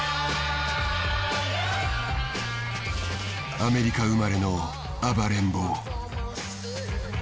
アメリカ生まれの暴れん坊。